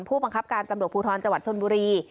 ผู้บังคับการตำรวจภูทรจังหวัดชนบุรี